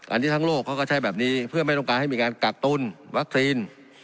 อันนี้ทั้งโลกเขาก็ใช้แบบนี้เพื่อไม่ต้องการให้มีการกักตุ้นวัคซีน